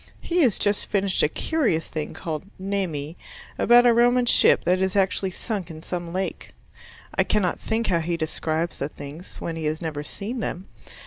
He has just finished a curious thing called "Nemi" about a Roman ship that is actually sunk in some lake. I cannot think how he describes the things, when he has never seen them.